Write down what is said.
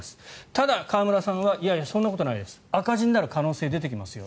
ただ、河村さんはいやいや、そんなことないです赤字になる可能性出てきます